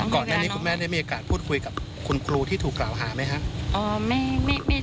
ก่อนหน้านี้คุณแม่ได้มีโอกาสพูดคุยกับคุณครูที่ถูกกล่าวหาไหมครับ